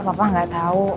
papa enggak tahu